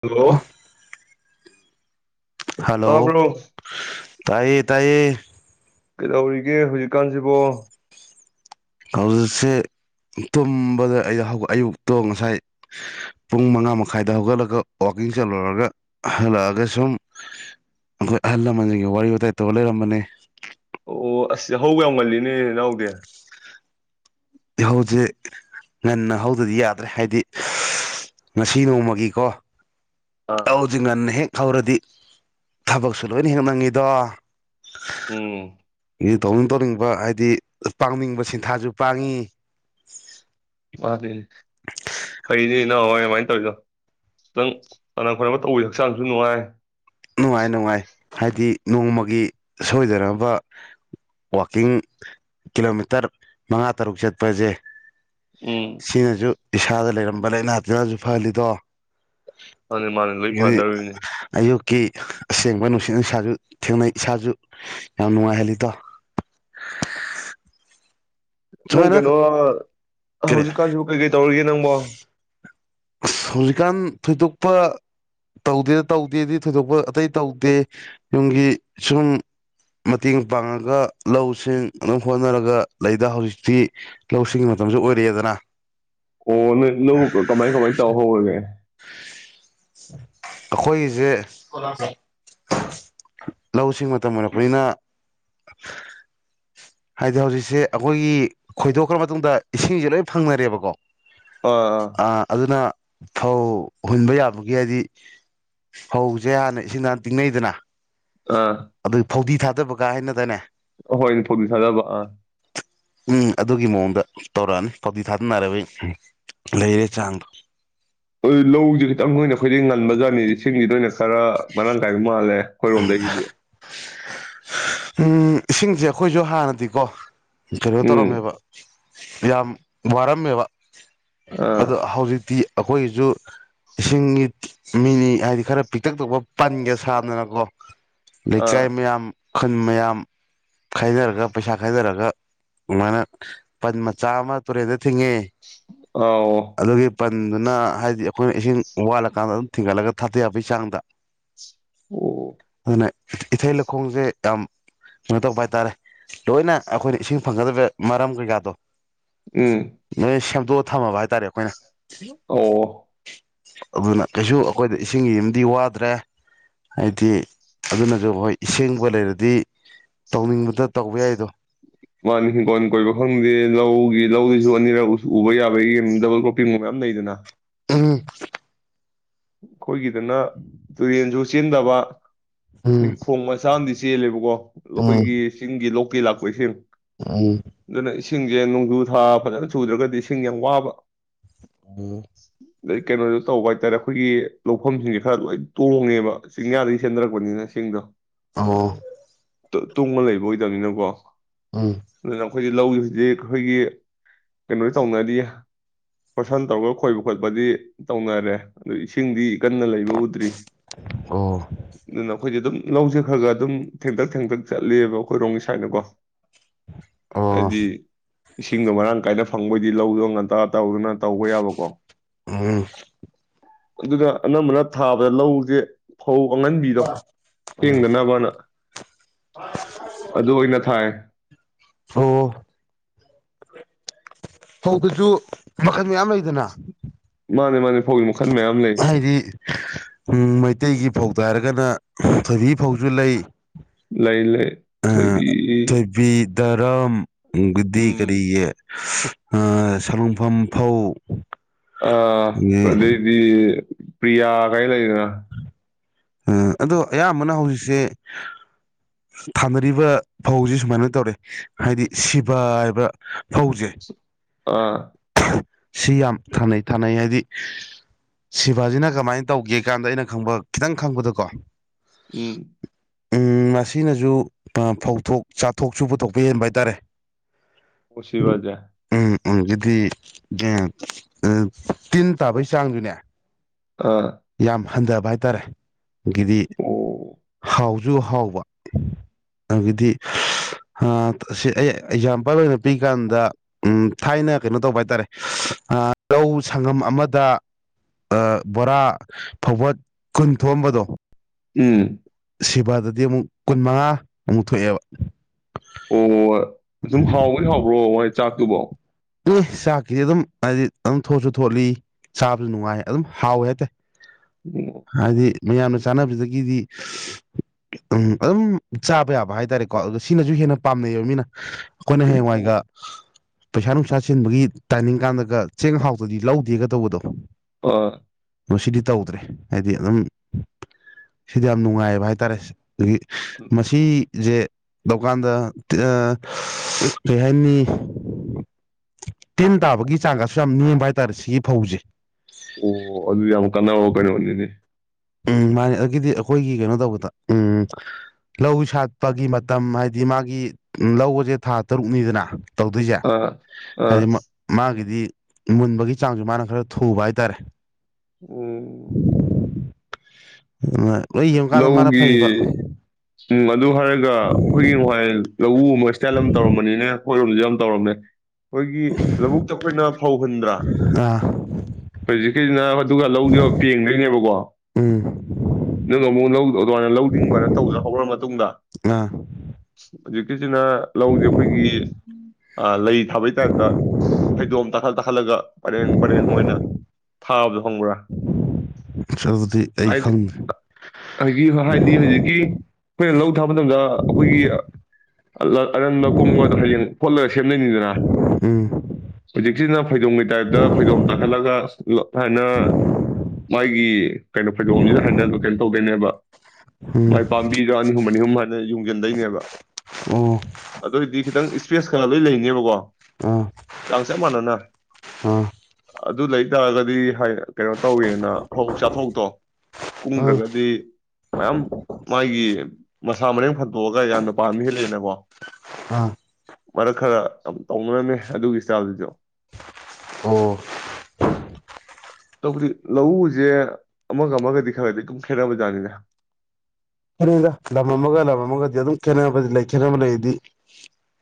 Hello ꯑꯣ hello ꯀꯕꯂꯣ ꯇꯥꯏꯌꯦ ꯇꯥꯏꯌꯦ ꯀꯩꯗꯧꯔꯤꯒꯦ ꯍꯧꯖꯤꯛꯀꯥꯟꯁꯤꯕꯣ ꯍꯧꯖꯤꯛꯁꯦ ꯇꯨꯝꯕꯗ ꯑꯩ ꯑꯌꯨꯛꯇꯣ ꯉꯁꯥꯏ ꯄꯨꯡ ꯃꯉꯥ ꯃꯈꯥꯏꯗ ꯍꯧꯒꯠꯂꯒ ꯋꯥꯋꯥꯛꯀꯤꯡ ꯆꯠꯂꯨꯔꯒ ꯍꯜꯂꯛꯑꯒ ꯁꯨꯝ ꯑꯩꯈꯣꯏ ꯑꯍꯜ ꯂꯃꯟꯁꯤꯡꯒꯤ ꯋꯥꯔꯤ ꯋꯥꯇꯥꯏ ꯇꯧꯔ ꯂꯩꯔꯝꯕꯅꯤ ꯑꯣ ꯑꯣ ꯑꯁꯤ ꯍꯧꯕ ꯌꯥꯝ ꯉꯜꯂꯤꯅꯦ ꯏꯅꯥꯎꯗꯤ ꯏꯍꯧꯁꯦ ꯉꯟꯅ ꯍꯧꯗꯗꯤ ꯌꯥꯗ꯭ꯔꯦ ꯍꯥꯏꯗꯤ ꯉꯁꯤ ꯅꯣꯡꯃꯒꯤꯀꯣ ꯑꯥ ꯍꯥꯎꯗꯤ ꯉꯟꯅ ꯍꯦꯛ ꯍꯧꯔꯗꯤ ꯊꯕꯛꯁꯨ ꯂꯣꯏꯅ ꯍꯦꯛꯅꯤꯡꯉꯤꯗꯣ ꯎꯝ ꯇꯧꯅꯤꯡ ꯇꯧꯅꯤꯡꯕ ꯍꯥꯏꯗꯤ ꯄꯥꯡꯅꯤꯡꯕ ꯁꯤꯟꯊꯥꯁꯨ ꯄꯥꯡꯉꯤ [unintelligible] ꯃꯥꯅꯤ ꯐꯩꯅꯤ ꯏ ꯅꯍꯥꯟꯋꯥꯏ ꯑꯗꯨꯃꯥꯏꯅ ꯇꯧꯔꯤꯗꯣ ꯈꯤꯇꯪ ꯀꯅꯥ ꯈꯔꯝꯕ ꯇꯧꯕ ꯍꯛꯆꯥꯡꯁꯨ ꯅꯨꯡꯉꯥꯏ ꯅꯨꯡꯉꯥꯏ ꯅꯨꯡꯉꯥꯏ ꯍꯥꯏꯗꯤ ꯅꯣꯡꯃꯒꯤ ꯁꯣꯏꯗꯅꯕ ꯋꯥꯛꯀꯤꯡ ꯀꯤꯂꯣꯃꯤꯇꯔ ꯃꯉꯥ ꯇꯔꯨꯛ ꯆꯠꯄꯁꯦ ꯎꯝ ꯁꯤꯅꯁꯨ ꯏꯁꯥꯗ ꯂꯩꯔꯝꯕ ꯂꯥꯏꯅꯥ ꯇꯤꯟꯅꯁꯨ ꯐꯍꯜꯂꯤꯗꯣ ꯑꯗꯨ ꯃꯥꯅ ꯂꯣꯏ ꯐꯗꯧꯔꯤꯅꯦ ꯀꯤ ꯑꯁꯦꯡꯕ ꯅꯨꯡꯁꯤꯠ ꯅꯨꯡꯁꯥꯁꯨ ꯊꯦꯡꯅꯩ ꯏꯁꯥꯁꯨ ꯌꯥꯝ ꯅꯨꯡꯉꯥꯏꯍꯜꯂꯤꯗꯣ ꯅꯪ ꯁꯨꯃꯥꯏꯅ ꯀꯩꯅꯣ ꯀꯔꯤ ꯍꯧꯖꯤꯛ ꯀꯥꯟꯁꯤꯕꯨ ꯀꯩ ꯀꯩ ꯇꯧꯔꯤꯒꯦ ꯪꯕꯣ ꯍꯧꯖꯤꯛꯀꯥꯟ ꯊꯣꯏꯗꯣꯛꯄ ꯇꯧꯗꯦ ꯇꯧꯗꯦꯗꯤ ꯊꯣꯏꯗꯣꯛꯄ ꯑꯇꯩ ꯇꯧꯗꯦ ꯌꯨꯝꯒꯤ ꯁꯨꯝ ꯃꯇꯦꯡ ꯄꯥꯡꯉꯒ ꯂꯧꯁꯤꯡ ꯑꯗꯨꯝ ꯍꯣꯠꯅꯔꯒ ꯂꯩꯗ ꯍꯧꯖꯤꯛꯇꯤ ꯂꯧꯁꯤꯡꯒꯤ ꯃꯇꯝꯁꯨ ꯑꯣꯏꯔꯛꯑꯦꯗꯅ ꯂꯦ ꯀꯣ ꯀꯃꯥꯏ ꯀꯃꯥꯏ ꯇꯧ ꯍꯧꯔꯒꯦ ꯑꯩꯈꯣꯏꯒꯤꯁꯦ ꯂꯧꯁꯤꯡ ꯃꯇꯝ ꯑꯣꯏꯔꯛꯄꯅꯤꯅ ꯍꯥꯏꯗꯤ ꯍꯧꯖꯤꯛꯁꯦ ꯑꯩꯈꯣꯏꯒꯤ ꯈꯣꯏꯗꯣꯛꯈ꯭ꯔ ꯃꯇꯨꯡꯗ ꯏꯁꯤꯡꯁꯦ ꯂꯣꯏ ꯐꯪꯅꯔꯦꯕꯀꯣ ꯑꯥ ꯑ ꯑꯗꯨꯅ ꯐꯧ ꯍꯨꯟꯕ ꯌꯥꯕꯒꯤ ꯍꯥꯏꯗꯤ ꯐꯧꯁꯦ ꯍꯥꯟꯅ ꯏꯁꯤꯡ ꯍꯅ ꯇꯤꯡꯅꯩꯗꯅ ꯑꯥ ꯑꯗꯨ ꯐꯧꯗꯤ ꯊꯥ ꯑꯗꯨꯗꯕ ꯀꯥꯏꯅꯗꯅꯦ ꯍꯣꯏꯅꯦ ꯐꯧꯗꯤ ꯁꯥꯗꯕ ꯑꯥ ꯎꯝ ꯑꯗꯨꯒꯤ ꯃꯑꯣꯡꯗ ꯇꯧꯔꯛꯑꯅꯤ ꯄꯥꯎꯗꯤꯤ ꯊꯥꯗꯅꯔꯕ ꯂꯩꯔꯦ ꯆꯥꯡꯗꯣ ꯂꯧꯁꯦ ꯈꯤꯇꯪꯣꯏ ꯑꯣꯏꯅ ꯑꯩꯈꯣꯏꯗꯩ ꯉꯟꯕꯖꯥꯠꯅꯤ ꯏ ꯁꯤꯡꯂꯤꯗ ꯑꯣꯏꯅ ꯈꯔ ꯃꯅꯥ ꯀꯏꯃꯜꯂꯦ ꯍꯣꯏꯔꯣꯝꯗꯒꯤꯗꯤ ꯎꯝ ꯏꯁꯤꯡꯁꯦ ꯑꯩꯈꯣꯏꯁꯨ ꯍꯥꯟꯅꯗꯤꯀꯣ ꯀꯒ ꯎꯝ ꯇꯧꯔꯝꯃꯦꯕ ꯌꯥꯝꯌꯥꯝ ꯔꯃꯕ ꯑꯥ ꯑꯗꯣ ꯍꯧꯖꯤꯗꯤ ꯑꯩꯈꯣꯏꯒꯤꯁꯨ ꯁꯉꯤꯠ ꯃꯤꯅꯤ ꯍꯥꯏꯗꯤ ꯈꯔ ꯄꯤꯛꯇꯛ ꯇꯧꯕ ꯄꯟꯒꯦ ꯁꯥꯅꯅꯕ ꯋꯥꯍ ꯑꯥ ꯆꯥꯏ ꯃꯤꯌꯥꯝ ꯈꯨꯟ ꯃꯌꯥꯝ ꯈꯥꯏꯊꯔꯒ ꯄꯩꯁꯥ ꯈꯥꯏꯊꯔꯒ ꯑꯗꯨꯃꯥꯏꯅ ꯄꯟ ꯃꯆꯥ ꯑꯃ ꯇꯨꯔꯦꯟꯗ ꯊꯤꯡꯉꯦ ꯑꯥ ꯑꯣ ꯑꯗꯨꯒꯤ ꯄꯟꯗꯨꯅ ꯍꯥꯏꯗꯤ ꯑꯩꯈꯣꯏꯅ ꯏꯁꯤꯡ ꯋꯥꯠꯂꯀꯥꯟꯗ ꯑꯗꯨꯝ ꯊꯤꯡꯒꯠꯂꯒ ꯊꯥꯗ ꯌꯥꯕꯩ ꯆꯥꯡꯗ ꯑꯣ ꯑꯗꯨꯅ ꯏꯊꯩ ꯂꯧꯈꯣꯡꯁꯦ ꯌꯥꯝ ꯀꯩꯅꯣ ꯇꯧꯕ ꯍꯥꯏꯇꯥꯔꯦ ꯂꯣꯏꯅ ꯑꯩꯈꯣꯏꯅ ꯏꯁꯤꯡ ꯐꯪꯒꯗꯕ ꯃꯔꯝ ꯀꯩꯀꯥꯗꯣ ꯎꯝ ꯅꯣꯏ ꯑꯗꯨꯗꯣ ꯊꯝꯃ ꯍꯥꯏꯇꯥꯔꯦ ꯑꯩꯈꯣꯏꯅ ꯑꯣ ꯎ ꯑꯗꯨꯅ ꯀꯩꯁꯨ ꯑꯩꯈꯣꯏꯗ ꯏꯁꯤꯡꯒꯤ ꯗꯤ ꯋꯥꯗ꯭ꯔꯦ ꯍꯥꯏꯗꯤ ꯑꯗꯨꯅꯁꯨ ꯍꯣꯏ ꯑꯁꯦꯡꯕ ꯂꯩꯔꯗꯤ ꯇꯧꯅꯤꯡꯕꯗ ꯇꯧꯕ ꯌꯥꯏꯗꯣ ꯃꯥꯅꯤ ꯍꯤꯡꯈꯣꯟꯜ ꯀꯣꯏꯕ ꯈꯪꯗꯦ ꯂꯧꯒꯤ ꯂꯧꯗꯨꯁꯨ ꯑꯅꯤꯔꯛ ꯎꯕ ꯌꯥꯕꯒꯤ ꯗꯕꯜ ꯀ꯭ꯔꯣꯞꯄꯤꯡꯒꯨꯝꯕ ꯃꯌꯥꯝ ꯂꯩꯗꯅ ꯎꯝ ꯑꯩꯈꯣꯏꯒꯤꯗꯅ ꯇꯨꯔꯦꯟꯁꯨ ꯆꯦꯟꯗꯕ ꯎꯝ ꯑꯩꯣꯏ ꯐꯣꯡꯃꯁꯥꯗꯤ ꯆꯦꯜꯂꯦꯕꯀꯣ ꯑꯩꯈꯣꯏꯒꯤ ꯆꯤꯡꯒꯤ ꯀ ꯂꯥꯛꯄꯣꯏ ꯁꯤ ꯑ ꯏꯁꯤꯡꯁꯦ ꯅꯣꯡꯖꯨ ꯊꯥ ꯐꯖꯅ ꯆꯨꯗ꯭ꯔꯒꯗꯤ ꯏꯁꯤꯡ ꯌꯥꯝ ꯋꯥꯕ ꯎꯝ ꯑꯗꯩ ꯀꯩꯅꯣꯗꯣ ꯇꯧꯕ ꯍꯥꯏꯇꯥꯔꯦ ꯑꯩꯈꯣꯏꯒꯤ ꯂꯧꯐꯝꯁꯤꯡꯁꯦ ꯈꯔ ꯂꯣꯏ ꯇꯣꯡꯉꯦꯕ ꯆꯤꯡꯌꯥꯗꯒꯤ ꯆꯟꯅꯔꯛꯄꯅꯤꯅ ꯁꯤꯡꯗꯣ ꯑꯣ ꯇꯣꯡꯕ ꯂꯩꯕ ꯑꯣꯏꯗꯕꯅꯤꯅꯀꯣ ꯎꯝ ꯑꯗꯨꯅ ꯑꯩꯈꯣꯏꯗꯤ ꯂꯧꯒꯤ ꯍꯧꯖꯤꯛ ꯑꯩꯈꯣꯏꯒꯤ ꯀꯩꯅꯣ ꯇꯧꯅꯔꯤ ꯄꯣꯁꯟ ꯇꯧꯔꯒ ꯈꯣꯏꯕ ꯈꯣꯠꯄꯗꯤ ꯇꯧꯅꯔꯦ ꯑꯗ ꯏꯁꯤꯡꯗꯤ ꯀꯟꯅ ꯂꯩꯕ ꯎꯗ꯭ꯔꯤ ꯑꯣ ꯑꯗꯨꯅ ꯑꯩꯈꯣꯏꯗꯤ ꯑꯗꯨꯝ ꯂꯧꯁꯦ ꯈꯔ ꯈ ꯑꯗꯨꯝ ꯊꯦꯡꯇꯛ ꯊꯦꯡꯇꯛ ꯆꯠꯂꯤꯦꯕ ꯑꯩꯈꯣꯏ ꯔꯣꯡꯒꯤ ꯁꯥꯏꯠꯅꯀꯣ ꯑꯣ ꯍꯥꯏꯗꯤ ꯏꯁꯤꯡꯗ ꯃꯔꯥꯡ ꯀꯥꯏꯅ ꯐꯪꯕꯩꯗꯤ ꯂꯧꯗꯣ ꯉꯟꯇꯥ ꯇꯧꯗꯅ ꯇꯧꯕ ꯌꯥꯕꯀꯣ ꯎꯝ ꯑꯗꯨꯅ ꯑꯅꯝꯕꯅ ꯊꯥꯕꯗ ꯂꯧꯁꯦ ꯐꯧ ꯑꯥꯡꯉꯟꯕꯤꯗꯣ ꯊꯦꯡꯗꯅꯕꯅ ꯑꯗꯨ ꯑꯣꯏꯅ ꯊꯥꯏ ꯑꯣ ꯍ ꯑꯗꯨꯁꯨ ꯃꯈ ꯌꯥꯃ ꯏꯗꯅ ꯃꯥꯅꯦ ꯃꯥꯅꯦ ꯐꯧꯒꯤ ꯃꯈꯜ ꯃꯌꯥꯝ ꯂꯩ ꯍꯥꯏꯗꯤ ꯎ ꯃꯩꯇꯩꯒꯤ ꯐꯧ ꯑꯗꯨꯥꯏꯔꯒꯅ ꯊꯣꯏꯕꯤ ꯐꯥꯎꯁꯨ ꯂꯩ ꯂꯩ ꯂꯩ ꯊꯣꯏꯕꯤ ꯊꯣꯏꯕꯤ ꯗꯔꯝ ꯒꯗꯤ ꯀꯦ ꯎꯝ ꯁꯂꯨꯡꯐꯝ ꯐꯧ ꯑꯗꯒꯤ ꯑꯗꯩꯗꯤ ꯄ꯭ꯔꯤꯌꯥ ꯀꯔꯤ ꯂꯩꯗꯅ ꯎꯝ ꯑꯗꯣ ꯑꯌꯥꯝꯕꯅ ꯍꯧꯖꯤꯛꯁꯦ ꯊꯥꯅꯔꯤꯕ ꯐꯧꯁꯦ ꯁꯨꯃꯥꯏꯅ ꯇꯧꯔꯦ ꯍꯥꯏꯗꯤ ꯁꯤꯕ ꯍꯥꯏꯕ ꯐꯧꯁꯦ ꯑꯥ ꯁꯤ ꯌꯥꯝ ꯈꯥꯅꯩ ꯊꯥꯅꯩ ꯍꯥꯏꯗꯤ ꯁꯤꯚꯥꯖꯤꯅ ꯀꯃꯥꯏꯅ ꯇꯧꯒꯦ ꯀꯥꯟꯗ ꯑꯩꯅ ꯈꯪꯕ ꯈꯤꯇꯪ ꯈꯪꯕꯗꯀꯣ ꯎꯝ ꯎ ꯃꯁꯤꯅꯁꯨ ꯐꯧꯊꯣꯛ ꯆꯥꯊꯣꯛꯁꯨ ꯄꯨꯊꯣꯛꯄ ꯍꯦꯟꯕ ꯍꯥꯏꯇꯥꯔꯦ ꯑꯣꯁꯤ ꯋꯥꯖꯦ ꯑꯗꯨꯗꯤ ꯇꯤꯟ ꯇꯥꯕꯩ ꯆꯥꯡꯗꯨꯅꯦ ꯑꯥ ꯍꯟꯗ꯭ꯔꯕꯥꯗ ꯇꯔꯦ ꯒꯤꯤꯔꯤ ꯍꯥꯎ ꯁꯨ ꯍꯥꯎꯕ ꯑꯗꯒꯤꯗꯤ ꯁꯤ ꯑꯩ ꯑꯦꯛꯖꯥꯝꯄꯜ ꯑꯣꯏꯅ ꯄꯤꯀꯥꯟꯗ ꯊꯥꯏꯅ ꯀꯩꯅꯣ ꯇꯧꯕ ꯍꯥꯏꯇꯥꯔꯦ ꯂꯧ ꯁꯪꯒꯝ ꯑꯃꯗ ꯕꯣꯔꯥ ꯐꯧꯕꯠ ꯀꯨꯟ ꯊꯣꯛꯑꯝꯕꯗꯣ ꯎꯝ ꯑꯗꯨꯗꯗꯤ ꯑꯃꯨꯛ ꯀꯨꯟꯃꯉꯥ ꯑꯃꯨꯛ ꯊꯣꯛꯑꯦꯕ ꯑꯣ ꯁꯨꯝ ꯍꯥꯎꯕꯗꯤ ꯍꯥꯎꯕ꯭ꯔꯣ ꯃꯣꯏ ꯆꯥꯛꯇꯨꯕ‌ꯣ ꯑꯦ ꯆꯥꯛꯀꯤꯗꯤ ꯑꯗꯨꯝ ꯍꯥꯏꯗꯤ ꯑꯗꯨꯝ ꯊꯣꯠꯁꯨ ꯊꯣꯠꯂꯤ ꯆꯥꯕꯁꯨ ꯅꯨꯡꯉꯥꯏ ꯑꯗꯨꯝ ꯍꯥꯎꯋꯦ ꯍꯥꯏꯇꯥꯏ ꯍꯥꯏꯗꯤ ꯃꯌꯥꯝꯅ ꯆꯥꯅꯕꯗꯒꯤꯗꯤ ꯎꯝ ꯑꯗꯨꯝ ꯆꯥꯕ ꯌꯥꯕ ꯍꯥꯏꯇꯥꯔꯦꯀꯣ ꯑꯗꯨꯒ ꯁꯤꯅꯁꯨ ꯍꯦꯟꯅ ꯄꯥꯝꯅꯩꯌ‌ꯦꯕ ꯃꯤꯅ ꯑꯩꯈꯣꯏꯅ ꯍꯌꯦꯡꯋꯥꯏꯒ ꯄꯩꯁꯥ ꯅꯨꯡꯁꯥ ꯆꯤꯟꯕꯒꯤ ꯇꯥꯏꯃꯤꯡ ꯀꯥꯟꯗꯒ ꯆꯦꯡ ꯍꯥꯎꯇꯔꯗꯤ ꯂꯧꯗꯦꯒ ꯇꯧꯕꯗꯣ ꯑꯥ ꯗ‌ꯣ ꯁꯤꯗꯤ ꯇꯧꯗ꯭ꯔꯦ ꯍꯥꯏꯗꯤ ꯑꯗꯨꯝ ꯁꯤꯗꯤ ꯌꯥꯝ ꯅꯨꯡꯉꯥꯏꯕ ꯍꯥꯏꯇꯥꯔꯦ ꯑꯗꯒꯤ ꯃꯁꯤ ꯏꯁꯦ ꯂꯧꯀꯥꯟꯗ [unintelligible] ꯀꯔꯤ ꯍꯥꯏꯅꯤ ꯇꯤꯟ ꯇꯥꯕꯒꯤ ꯆꯥꯡꯒꯁꯨ ꯌꯥꯝ ꯅꯦꯝꯕ ꯍꯥꯏꯇꯥꯔꯦ ꯁꯤꯒꯤ ꯐꯧꯁꯦ ꯑꯣ ꯑꯗꯨꯗꯤ ꯌꯥꯝ ꯀꯥꯟꯅꯕ ꯀꯩꯅꯣꯅꯤꯅꯦ ꯎꯝ ꯃꯥꯅꯦ ꯑꯗꯨꯗꯒꯤꯗꯤ ꯑꯩꯈꯣꯏꯒꯤ ꯀꯩꯅꯣ ꯇꯧꯕꯗ ꯎꯝ ꯂꯧ ꯁꯥꯠꯄꯒꯤ ꯃꯇꯝ ꯍꯥꯏꯗꯤ ꯃꯥꯒꯤ ꯂꯧꯕꯁꯦ ꯊꯥ ꯇꯔꯨꯛꯅꯤꯗꯅ ꯇꯧꯗꯣꯏꯁꯦ ꯍꯥꯏꯗꯤ ꯃꯥꯒꯤꯗꯤ ꯃꯨꯟꯕꯒꯤ ꯆꯥꯡꯁꯨ ꯃꯥꯅ ꯈꯔ ꯊꯨꯕ ꯍꯥꯏꯇꯥꯔꯦ ꯑꯣ [inaudible] ꯂꯣꯏ ꯌꯦꯡꯉꯀꯥꯟꯗ ꯃꯥꯅ ꯂꯧꯒꯤ ꯐꯩꯕ ꯎꯝ ꯑꯗꯨ ꯍꯥꯏꯔꯒ ꯑꯩꯈꯣꯏꯒꯤ ꯋꯥꯏꯜ ꯂꯧꯎ ꯑꯃ ꯏꯁꯇꯥꯏꯜ ꯑꯃ ꯇꯧꯔꯝꯕꯅꯤꯅꯦ ꯑꯩꯈ‌ꯣꯏꯔꯣꯝꯁꯨ ꯌꯥꯝ ꯇꯧꯔꯝꯃꯦ ꯑꯩꯈꯣꯏꯒꯤ ꯂꯧꯕꯨꯛꯇ ꯑꯩꯈꯣꯏꯅ ꯐꯧꯍꯨꯟꯕꯗꯔꯥ ꯑꯥ ꯍꯧꯖꯤꯛꯀꯤꯁꯤꯅ ꯑꯗꯨꯒ ꯂꯧꯁ‌ꯦ ꯄꯦꯡꯗꯣꯏ‌ꯅꯦꯕꯀꯣ ꯎꯝ ꯅꯪ ꯑꯃꯨꯛ ꯑꯗꯨꯃꯥꯏꯅ ꯂꯧꯅꯤꯡꯕꯅ ꯇꯧꯖ ꯍꯧꯔ ꯃꯇꯨꯡꯗ ꯑꯥ ꯍꯖꯤꯛꯇꯤ ꯁꯤꯅ ꯂꯧꯁꯦ ꯑꯩꯈꯣꯏꯒꯤ ꯂꯩ ꯊꯥꯕꯩ ꯇꯥꯏꯞꯇ ꯐꯩꯗꯣꯝ ꯇꯥꯈꯠ ꯇꯥꯈꯠꯂꯒ ꯄꯔꯦꯡ ꯄꯔꯦꯡ ꯑꯣꯏꯅ ꯊꯥꯕꯗꯣ ꯈꯪꯕ꯭ꯔꯥ ꯑꯗꯨꯗꯤ ꯑꯩ ꯀꯥꯏꯗ ꯈꯪꯗ꯭ꯔꯦ ꯍꯧꯖꯤꯛ ꯍꯥꯏꯗꯤ ꯍꯧꯖꯤꯛꯀꯤ ꯑꯩꯈꯣꯏꯅ ꯂꯧ ꯊꯥꯕ ꯃꯇꯝꯗ ꯑꯩꯈꯣꯏꯒꯤ ꯑꯗꯨꯗ ꯑꯔꯟꯕ ꯀꯨꯡꯕꯗꯣ ꯍꯌꯦꯡ ꯐꯣꯠꯂꯒ ꯁꯦꯝꯗꯨꯏꯅꯤꯗꯅ ꯎꯝ ꯍꯧꯖꯤꯛꯁꯤꯅ ꯐꯩꯗ‌ꯣꯝꯒꯤ ꯇꯥꯏꯞꯇ ꯐꯩꯗꯣꯝ ꯇꯥꯈꯠꯂꯒ ꯁꯨꯃꯥꯏꯅ ꯃꯥꯒꯤ ꯀꯩꯅꯣ ꯐꯩꯗꯣꯝꯁꯤꯗ ꯍꯥꯏꯅ ꯀꯩꯅꯣ ꯇꯧꯗꯣꯏꯅꯦꯕ ꯎꯝ ꯃꯥꯏ ꯄꯥꯕꯤꯗ‌ꯣ ꯑꯅꯤ ꯑꯍꯨꯝ ꯑꯅꯤ ꯑꯍꯨꯝ ꯌꯨꯡꯁꯤꯟꯗꯣꯏꯅꯦꯕ ꯑꯣ ꯑꯗꯨ ꯑꯣꯏꯗꯤ ꯈꯤꯇꯪ ꯏꯁꯄꯦꯁ ꯈꯂ ꯂꯣꯏ ꯂꯩꯅꯦꯕꯀꯣ ꯂꯥꯡ ꯆꯞ ꯃꯅꯅꯥ [unintelligible] [inaudible] ꯑ ꯑꯗꯨ ꯂꯩ ꯇꯥꯔꯒꯗꯤ ꯍꯥꯏꯑ ꯀꯩꯅꯣ ꯇꯧꯋꯦꯅ ꯐꯧ ꯆꯥꯊꯣꯛꯇꯣ ꯑꯥ ꯀꯨꯝꯒꯔꯥꯒꯗꯤ ꯃꯌꯥꯝ ꯃꯥꯒꯤ ꯃꯁꯥ ꯃꯔꯦꯡ ꯐꯟꯗꯣꯛꯑꯒ ꯌꯥꯝꯅ ꯄꯥꯟꯕ ꯍꯦꯜꯂꯦꯑꯦꯅꯀꯣ ꯑꯥ ꯃꯔꯛ ꯈꯔ ꯌꯥꯝ ꯇꯧꯅꯔꯝꯃꯦ ꯑꯗꯨꯒꯤ ꯏꯁꯇꯥꯏꯜꯗꯨꯁꯨ ꯑꯣ ꯇꯧꯕꯗꯤ ꯂꯧꯎꯁꯦ ꯑꯃꯒ ꯑꯃꯒꯗꯤ ꯈꯔꯗꯤ ꯗꯨꯨꯝ ꯈꯦꯠꯅꯕꯖꯅꯤꯗ ꯐꯔꯗ ꯂꯝ ꯑꯃꯒ ꯂꯝ ꯑꯃꯒꯗꯤ ꯑꯗꯨꯝ ꯈꯦꯠꯅꯕ ꯂꯩ ꯈꯦꯠꯅꯕ ꯂꯩꯗꯤ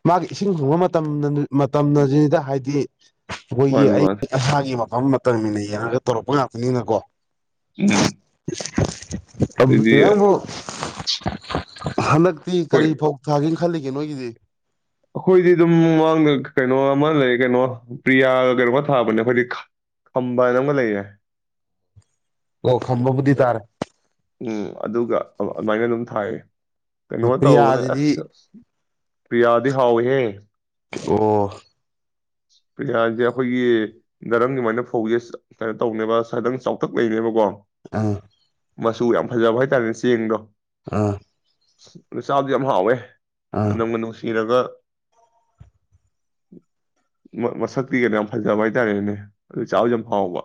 ꯃꯥꯒꯤ ꯏꯁꯤꯡ ꯍꯨꯡꯕ ꯃꯇꯝꯗ ꯃꯇꯝ ꯅꯖꯤꯗ ꯍꯥꯏꯗꯤ ꯑꯩꯈꯣꯏꯒꯤ ꯃꯥꯅꯤ ꯑꯩ ꯃꯥꯅꯤ ꯏꯁꯁꯥꯒꯤ ꯃꯞ ꯃ ꯃꯇꯟꯅ ꯌꯥꯒ ꯇꯧꯔꯛꯄ ꯉꯥꯛꯇꯅꯤꯅꯀꯣ ꯎꯝ ꯑꯗꯨꯗꯤ ꯅꯪꯕꯨ ꯍꯅꯛ ꯅꯤ ꯑꯩꯈꯣꯏ ꯀꯔꯤ ꯐꯧ ꯊꯥꯒꯦ ꯈꯜꯂꯤꯒꯦ ꯅꯣꯏꯒꯤꯗꯤ ꯑꯈꯣꯏꯗꯤ ꯑꯗꯨꯝ ꯃꯥꯡꯗ ꯀꯩꯅꯣ ꯑꯃ ꯂꯩ ꯀꯅꯣ ꯄ꯭ꯔꯤꯌꯥꯒ ꯀꯩꯅꯣꯒ ꯊꯥꯕꯅꯦ ꯑꯩꯈꯣꯏꯗꯤ ꯈꯝꯕꯥ ꯍꯥꯏꯅ ꯑꯃꯒ ꯂꯩꯌꯦ ꯑꯣ ꯈꯝꯕꯕꯨꯗꯤ ꯇꯥꯔꯦ ꯑꯧ ꯑꯗꯨꯃꯥꯏꯅ ꯑꯗꯨꯝ ꯊꯥꯏꯌꯦ ꯀꯩꯅꯣ ꯇꯧꯑꯅꯦ ꯄ꯭ꯔꯤꯌꯥꯁꯤꯗꯤ ꯑꯁ ꯄꯤꯌꯥꯠ ꯍꯥꯎꯍ ꯑꯣ ꯄ꯭ꯔꯤꯌꯥꯖꯤꯗꯤ ꯑꯩꯈꯣꯏꯒꯤ ꯗꯔꯝꯒꯤꯃꯥꯏꯅ ꯐꯧꯌꯦꯁ ꯀꯩꯅꯣ ꯇꯧꯅꯦꯕ ꯁꯗꯪ ꯆꯥꯎꯇꯛ ꯂꯩꯔꯦꯕꯀꯣ ꯑꯪ ꯃꯆꯨ ꯌꯥꯝ ꯐꯖꯕ ꯍꯥꯏꯇꯥꯔꯅꯦ ꯆꯦꯡꯗꯣ ꯑꯥ ꯆꯥꯕꯗꯤ ꯌꯥꯝ ꯍꯥꯎꯋꯦ ꯑꯥ ꯅꯝꯒꯥ ꯅꯨꯡꯁꯤꯔꯒ ꯃ ꯃꯁꯛꯇꯤ ꯒꯩꯅ ꯌꯥꯝ ꯐꯖꯕ ꯍꯥꯏꯇꯥꯔꯦꯅꯦ ꯑꯗꯨ ꯆꯥꯑꯗꯤ ꯌꯥꯝ ꯍꯥꯎꯕ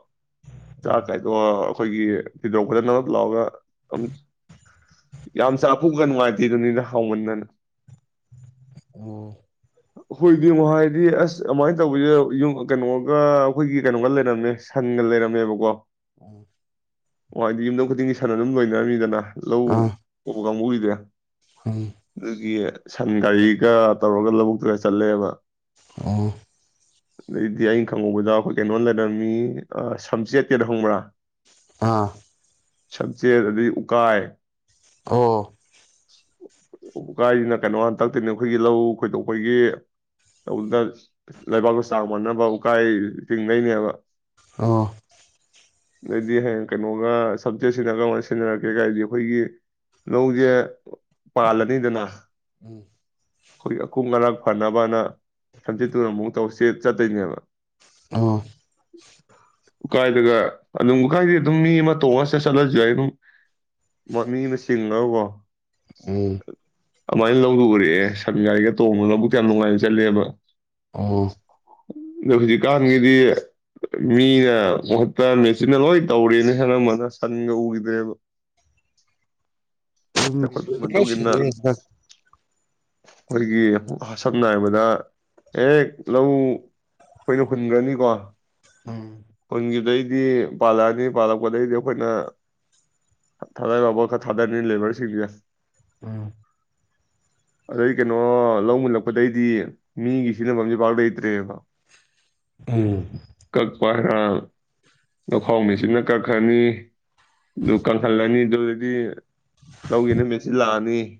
ꯆꯥꯛ ꯀꯥꯏꯗꯣ ꯑꯈꯣꯏꯒꯤ ꯊꯤꯗꯣꯛꯄꯗ ꯅ ꯑꯝ ꯂꯥꯎꯑꯒ ꯑꯃꯨꯛ ꯌꯥꯝ ꯆꯥꯛꯐꯨꯒ ꯅꯨꯡꯉꯥꯏꯇꯦ ꯗꯨꯅꯤꯅ ꯍꯥꯎꯃꯟꯗꯅ ꯑꯣ ꯍꯨꯏꯗꯤ ꯑꯃꯨ ꯍꯥꯏꯗꯤ ꯑꯁ ꯑꯗꯨꯃꯥꯏꯅ ꯇꯧꯑꯖꯥꯗ ꯌꯨꯝ ꯀꯩꯅꯣꯒ ꯑꯩꯈꯣꯏꯒꯤ ꯀꯩꯅꯣꯒ ꯂꯩꯔꯝꯃꯦ ꯁꯟꯒ ꯂꯩꯔꯝꯃꯦꯕꯀꯣ ꯎ ꯎꯋ ꯑꯥꯏꯗꯤ ꯌꯨꯝꯗꯣꯡ ꯈꯨꯗꯤꯡꯒꯤ ꯁꯥꯟ ꯑꯗꯨꯝ ꯂꯣꯏꯅꯔꯝꯃꯤꯗꯅ ꯂꯧ ꯑꯥ ꯎꯕꯒꯪꯕꯨ ꯗꯤꯌꯥ ꯎꯝ ꯗꯨꯒꯤ ꯁꯟ ꯒꯥꯔꯤꯒ ꯇꯧꯔꯒ ꯂꯧꯕꯨꯛꯇꯨꯒ ꯆꯠꯂꯦꯕ ꯑꯣ [unintelligible] ꯑꯗꯩꯗꯤ ꯑꯩꯅ ꯈꯪꯍꯧꯕꯗ ꯑꯩꯈꯣꯏ ꯀꯩꯅꯣ ꯂꯩꯔꯝꯃꯤ ꯁꯝꯆꯦꯠꯀꯦꯗꯣ ꯈꯪꯕ꯭ꯔꯥ? ꯑꯥ꯫ ꯁꯞꯆꯦꯠ ꯑꯗꯩ ꯎꯀꯥꯏ ꯑꯣ꯫ ꯎꯀꯥꯏꯁꯤꯅ ꯀꯩꯅꯣ ꯍꯥꯟꯅ ꯇꯛꯇꯣꯏꯅꯦ ꯑꯩꯈꯣꯏꯒꯤ ꯂꯧ ꯈꯣꯏꯗꯣꯛꯄꯒꯤ ꯇꯧꯅ ꯂꯩꯕꯥꯛꯇꯣ ꯆꯥꯡ ꯃꯥꯟꯅꯕ ꯎꯀꯥꯏ ꯇꯤꯡꯅꯩꯅꯦꯕ꯫ ꯑꯥ꯫ ꯑꯗꯩꯗꯤ ꯍꯌꯦꯡ ꯀꯩꯅꯣꯒ ꯁꯞꯆꯦꯠ ꯁꯤꯅ ꯀꯔꯝꯀꯥꯟꯗ ꯁꯤꯖꯤꯟꯅꯔꯛꯀꯦ ꯀꯥꯏꯗꯤ ꯑꯩꯈꯣꯏꯒꯤ ꯂꯧꯖꯦ ꯄꯥꯜꯂꯅꯤꯗꯅ ꯑꯩꯈꯣꯏ ꯑꯀꯨꯡ ꯑꯔꯛ ꯐꯥꯅꯕꯅ ꯁꯝꯖꯦꯠꯇꯨꯅ ꯑꯃꯨꯛ ꯇꯧꯆꯦꯠ ꯆꯠꯇꯣꯏꯅꯦꯕ꯫ ꯎꯝ꯫ ꯎꯀꯥꯏꯗꯒ ꯑꯗꯨꯝ ꯎꯀꯥꯏꯗꯤ ꯑꯗꯨꯝ ꯃꯤ ꯑꯃ ꯇꯣꯡꯉꯥ ꯆꯠꯂꯁꯨ ꯌꯥꯏ ꯑꯗꯨꯝ ꯃꯤ ꯑꯃ ꯆꯤꯡꯉꯒꯀꯣ ꯎꯝ꯫ ꯑꯗꯨꯃꯥꯏꯅ ꯂꯧꯗꯣ ꯎꯔꯛꯑꯦ ꯁꯟꯒꯥꯔꯤꯒ ꯇꯣꯡꯉꯥꯒ ꯂꯧꯕꯨꯛꯇꯣ ꯌꯥꯝ ꯅꯨꯡꯉꯥꯏꯅ ꯆꯠꯂꯦꯕ꯫ ꯑꯣ꯫ ꯑꯗꯣ ꯍꯧꯖꯤꯛꯀꯥꯟꯒꯤꯗꯤ ꯃꯤꯅ ꯃꯍꯨꯠꯇ ꯃꯦꯆꯤꯟꯅ ꯂꯣꯏ ꯇꯧꯔꯦꯅꯦ ꯑꯅꯝꯕꯅ ꯁꯟꯒ ꯎꯈꯤꯗ꯭ꯔꯦꯕ꯫ ꯆꯥꯎꯈꯠꯄ ꯃꯇꯨꯡꯏꯟꯅ [unintelligible] ꯑꯩꯈꯣꯏꯒꯤ ꯑꯥ ꯁꯝꯅ ꯍꯥꯏꯕꯗ ꯍꯦꯛ ꯂꯧ ꯑꯩꯈꯣꯏꯅ ꯍꯨꯟꯒ꯭ꯔꯅꯤꯀꯣ ꯍꯨꯟꯒꯤꯕꯗꯩ ꯗꯤ ꯄꯥꯜꯂꯛꯑꯅꯤ ꯄꯥꯜꯂꯛꯄꯗꯩꯗꯤ ꯑꯩꯈꯣꯏꯅ ꯊꯗꯥꯗꯧ ꯄꯣꯠ ꯈꯔ ꯊꯥꯗꯔꯅꯤ ꯂꯦꯕꯔꯁꯤꯡꯁꯤ ꯎꯝ꯫ ꯑꯗꯩ ꯀꯩꯅꯣ ꯂꯧ ꯃꯨꯜꯂꯛꯄꯗꯩꯗꯤ ꯃꯤꯒꯤ ꯁꯤꯖꯟꯅꯐꯝꯁꯦ ꯄꯥꯛ ꯂꯩꯇ꯭ꯔꯦꯕ ꯎꯝ꯫ [unintelligible] ꯂꯧꯈꯥꯎ ꯃꯦꯆꯤꯟꯅ ꯀꯛ ꯀꯅꯤ ꯑꯗꯨ ꯀꯪꯍꯜꯂꯅꯤ ꯑꯗꯨꯗꯩꯗꯤ ꯂꯧ ꯌꯩꯅꯕ ꯃꯦꯆꯤꯟ ꯂꯥꯛꯑꯅꯤ [inaudible]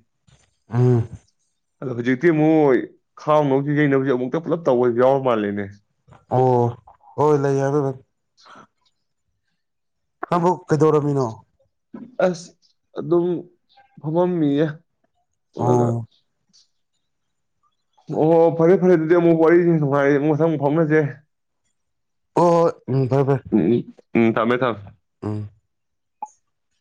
ꯎꯝ꯫ ꯑꯗꯣ ꯍꯧꯖꯤꯛꯇꯤ ꯃꯨꯛ ꯈꯥꯎꯅ ꯁꯤ ꯌꯩꯅꯕꯁꯦ ꯑꯃꯨꯛꯇ ꯄꯨꯂꯞ ꯇꯧꯕꯁꯨ ꯌꯥꯎꯔ ꯃꯥꯜꯂꯦꯅꯦ꯫ ꯑꯣ ꯍꯣꯏ ꯂꯩꯌꯦ ꯑꯗꯨꯗꯣ꯫ ꯇꯥꯕ꯭ꯔꯣ? ꯑꯁ ꯑꯗꯨꯝ ꯐꯝ ꯃꯝꯃꯤꯌꯦ ꯫ [unintelligible] ꯑꯣ ꯑꯣ ꯐꯔꯦ ꯐꯔꯦ ꯑꯗꯨꯗꯤ ꯑꯃꯨꯛ ꯋꯥꯔꯤ ꯅꯨꯡꯉꯥꯏ ꯑꯃꯨꯛ ꯃꯊꯪ ꯐꯥꯎꯅꯁꯦ ꯑꯣ ꯎ ꯐꯔꯕꯔ ꯎꯝ ꯎꯝ ꯊꯝꯃꯦ ꯊꯃꯦ ꯑ [unintelligible]